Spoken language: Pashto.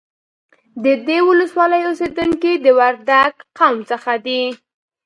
د دې ولسوالۍ اوسیدونکي د وردگ قوم څخه دي